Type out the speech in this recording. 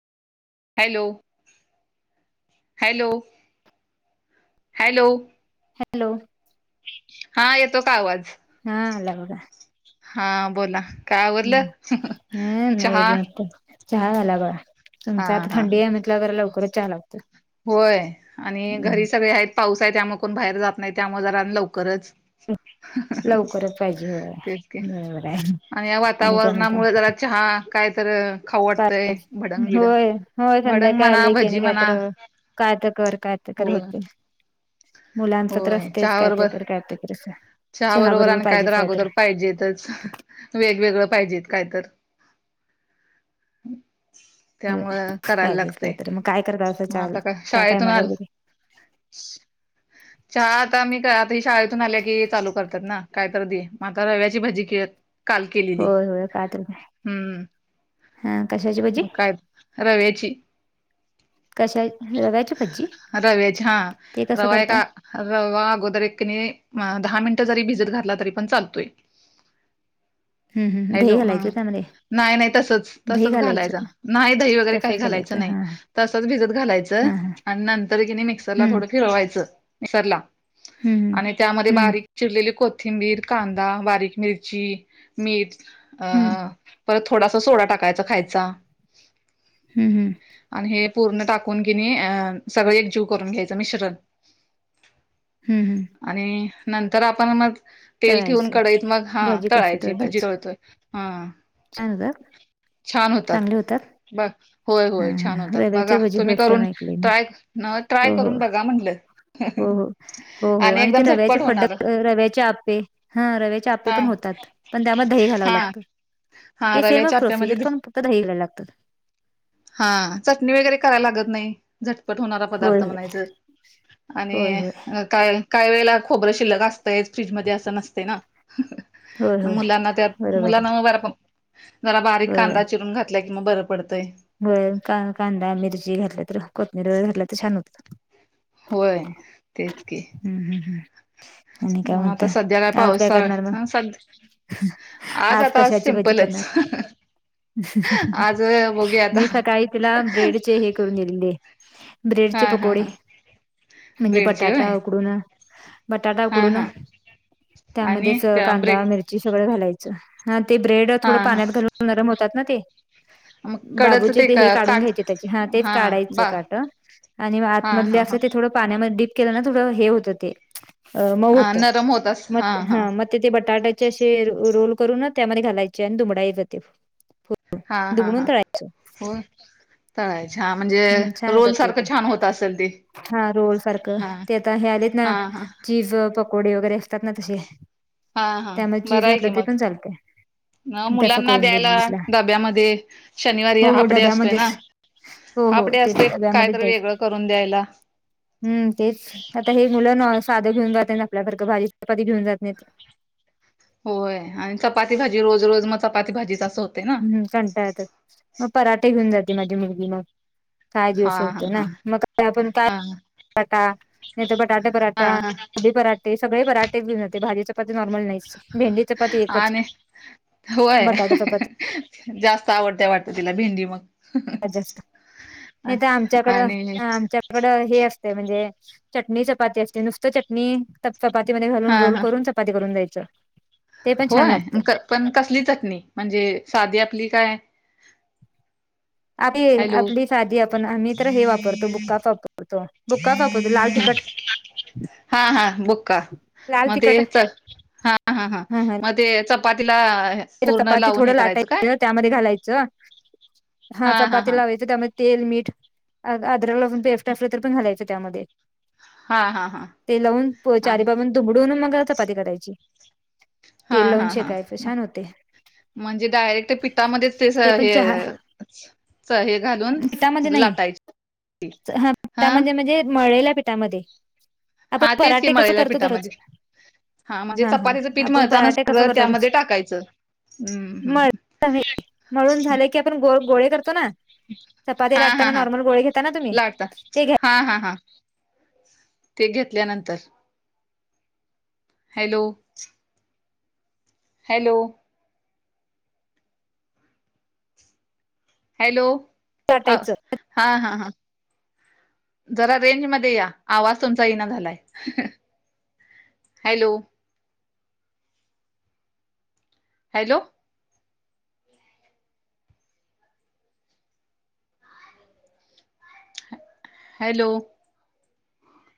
Hello, hello, hello. Hello. हा येतो का आवाज? हा, अला बघा. हा बोला, काय आवरल? हम् चहा [inaudible] चहा झाला बघा. हा तुमचा आता हा, थंडी आहे म्हटलं जरा लवकरच चहा लागतो होय आणि घरी हम्म सगळे आहेत. पाऊस आहे त्यामुळे कोण बाहेर जात नाही त्यामुळे जरा आणि लवकरच लवकरच पाहिजे होय तेच की, बरोबर आहे आणि या काय म्हणता वातावरणामुळे जरा चहा, काय तर खाऊ वाटतं. होय, होय संध्याकाय आली की आणि काय तर, म्हणा कायता कर कायता कर होय होते. मुलांच तर होय असतयच चहा काय तर बरोबर कर, काय तर कर, असं. चहा बरोबर आणि काय तर अगोदर पाहिजेेतच. वेगवेगळं पाहिजेेत काय तर होय त्यामुळ करायला पाहिजेच काय लागतेय. तर मग काय करता असं मग चहा आता का चहा शाळेतून टायमाला आल वगैरे चहा आता मी आता ही शाळेतून आल्या की चालू करतात ना, काय तर दे, मग आता रव्याची भजी कर होय होय, काय तर, हा कशाची भ? ह [unintelligible] रव्याची. कशा [unintelligible] रव्याची हा, ते कसं रवा करता एका रवा अगोदर एक कने, दहा मिनिटं जरी भिजत घातला तरी पण चालतोय. [inaudible] हम् हम, हॅलो दही हा घालायचं त्या मध्ये. नाही- नाही तसच, तसच घालायचं नाही दही वगैरे काही तसंच घालायचं नाही. हां, हां, तसच भिजत घालायचं. हां, हां. आणि नंतर किने मिक्सरला हं, थोडं फिरवायचं, मिक्सरला हं, हं. आणि त्यामध्ये हं, बारीक चिरलेली कोथिंबीर, कांदा, बारीक मिरची, मीठ हं, अं परत थोडासा सोडा टाकायचा खायचा. हम् हम्, आणि हे पूर्ण टाकून कीनी अ, सगळ एकजीव करून घ्यायचं मिश्रण. हं, हं. आणि नंतर आपण मग तेल ठेवून तळायचं. कढईत मग हा भजी कसं तळायची, तळतात? भजी तळतोय हा छान होतात? चांगले होतात? बघ होय हां, होय हां, छान हां. होतात. रव्याचे बघा भजी तुम्ही फर्स्ट टाईम करून ऐकले मी. ट्राय, नव ट्राय हो, हो. करून बघा म्हटलं. हो हो हो हो, आणि ते एकदम रव्याचे झटपट फड्ड, होणार. रव्याचे आपे हा रव्याचे आपे हा पण होतात. पण त्यामध्ये दही घालावं हा लागतं. हा हे सेम रव्याच्या आप्यामध्ये प्रोसिजर पण फक्त दही घालाव लागत. हा, चटणी वगैरे करायला लागत नाही. झटपट होणारा होय, पदार्थ होय. म्हणायचं. आणि होय, होय. काय- काय वेळेला खोबरं शिल्लक असतय फ्रीज मध्ये असं नसते ना. होय, होय. मुलांना, त्या बरोबर मुलां आहे. ब जरा बारीक कांदा चिरून घात- -लं की मग बरं पडतंय. व्हयं कांदा मिरची घातल्या तर कोथमीर घातलं तर छान होतय. होय, तेच की, हम्म हम् हम्, आणि काय मग आता म्हणताय? सध्या आज काय पावसाळ करणार मग? हा सध आज आता कशाची भजी सिम्पलच करणार? आज बघूया आता मी सकाळी तिला ब्रेडचे हे करून दिले, ब्रेडचे हा हा पकोडे. हा म्हणजे ब्रेडची बटाटा होय उकडून बटाटा हा उकडून हा आणि त्यामध्येच त्या ब्रेड कांदा, मिर ची सगळं घालायचं ह ते ब्रेड हा थोडं हा पाण्यात घालून नरम होतात ना ते मग कडच बाबूचे ते हे काढून काट घ्यायचे त्याचे हा तेच काढायचं काट. आणि हा आतमधले हा हा असं ते थोडं पाण्यामध्ये डीप केलं ना थोडं हे होतं ते अ मऊ हा होत नरम होतास म हा म बटाट्याचे असे रोल करून त्यामध्ये घालायचे आणि दुमडायचे ते हा हा हा दुमडून तळा हो तळायचे हा म्हणजे, रोल सारखं छान होत असेल ते? हा रोल सारखं हा ते आता हे आलेत ना हा हा चिझ पकोडे वगैरे असतातना तसे हा हा त्यामध्ये चीज घातलं तरी पण चालतय. नव्ह मुलांना द्यायला डब्यामध्ये शनिवारी हो, हो हाफ डे असतोय ना डब्यामध्येच. हो, हो हाफ डे ते असतोय डब्यामध्ये कायतरी वेगळं करून द्यायला. हम् तेच आता हे मुलं न साधं घेऊन जात नाही आपल्यासारखं भाजी चपाती घेऊन जात नाहीत. होय आणि चपाती भाजी रोज रोज मग चपाती भाजी हम्म कंटाळतात मग पराठे घेऊन जाते माझी मुलगी मग, काय देऊ हा अस हा होतय ना हा मग आपण काय बटाटा नाही तर बटाटे हा पराठा, हा हा कोबी पराठा ते सगळे पराठेच घऊन जाते भाजी चपाती नॉर्मल नाहीच भेंडी चपाती एकच. आणि होय बटाटा चपाती जास्त आवडतंय वाटत तिला भेंडी मग? सगळ्यात जास्त नाही ते आमच्याकड आणि आमच्या कडं हे असते म्हणजे चटणी चपाती असते नुसत चटणी चपातीमध्ये घालून हा रोल हा करून चपाती करून द्यायचं. ते पण छान लागतं होय पण कसली चटणी म्हणजे साधी आपली काय आपली हॅलो आपली साधी आपण आम्ही तर हे वापरतो बुक्का च वापरतो. बुक्काच वापरतो लाल तिखट. हा हा बुका लाल मग ते तिखट हा हा हा ह ह मग ते च पातीला चपाती थोडं लाटायचं त्यामध्ये घालायचं हा चपाती लावायचं त्यामध्ये तेल, मीठ, अद्रक लसूण पेस्ट असलं तर पण घालायचं त्यामध्ये हा हा हा ते लावून चारी आणि बाबून दुमडून मग चपाती कराायची हा तेल लावून हा हा शेकायचं म छान होत. म्हणजे डायरेक्ट पिटामध्येच ते सगळं पण चहा हे च हे घालून पिठामध्ये नाही लाटायचे पीठ, हा. पिठामध्ये म्हणजे मळलेल्या पीठामध्ये, हा तेच की मळलेल्या पिठामध्ये. हा म्हणजे हा चपातीचं पीठ आपण मळताना पराठे कसं सगळं करतो त्यामध्ये टाकायचं. हम् हम्म मळ हम्म मळून झालं की आपण गो गोळे करतो ना चपाती हा हा लाटताना हा नॉर्मल गोळे घेताना तुम्ही लाटता ते घ्या हा हा हा ते घेतल्यानंतर, हॅलो हॅलो हॅलो अ लाटायचं. हा हा हा. जरा रेंज मध्ये या, आवाज तुमचा येईना झालाय. हॅलो. हॅलो. हॅलो.